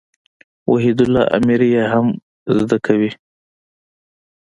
وحيدالله اميري ئې هم زده کوي.